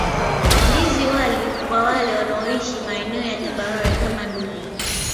Ndizi wali kwa wale wanaoishi maeneo ya tambarare kama Ndungu